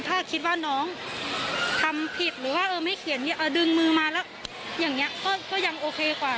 ถ้าคิดว่าน้องทำผิดหรือว่าไม่เขียนดึงมือมาแล้วอย่างนี้ก็ยังโอเคกว่า